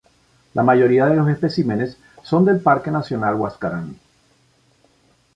La mayoría de los especímenes son del Parque Nacional Huascarán.